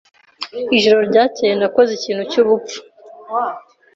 Ijoro ryakeye nakoze ikintu cyubupfu.